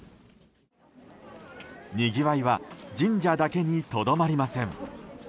にぎわいは神社だけにとどまりません。